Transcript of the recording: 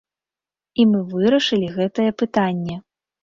І мы вырашылі гэтае пытанне.